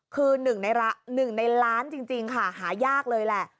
คือ๑ในล้านจริงค่ะหายากเลยแหละ